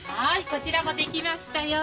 こちらも出来ましたよ。